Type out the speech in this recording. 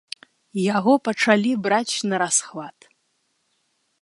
І яго пачалі браць нарасхват.